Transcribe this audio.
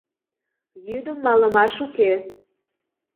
Йӱдым малымаш уке.